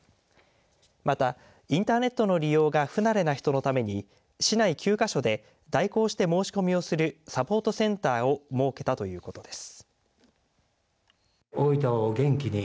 またインターネットの利用が不慣れな人のために市内９か所で代行して申し込みをするサポートセンターを設けたということです。